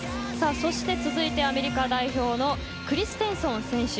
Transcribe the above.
そして続いてアメリカ代表のクリステンソン選手。